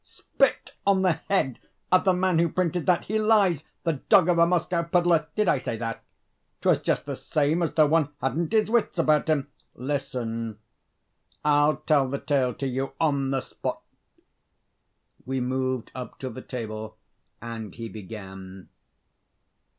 '" "Spit on the head of the man who printed that! he lies, the dog of a Moscow pedlar! Did I say that? ''Twas just the same as though one hadn't his wits about him!' Listen. I'll tell the tale to you on the spot." We moved up to the table, and he began.